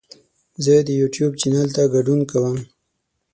زه د یوټیوب چینل ته ګډون کوم.